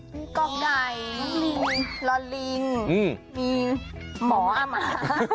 มีก็ไก่มีละลิงมีหมออ้าหมา